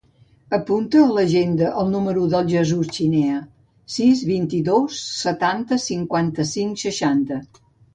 Apunta a l'agenda el número del Jesús Chinea: sis, vint-i-dos, setanta, cinquanta-cinc, seixanta.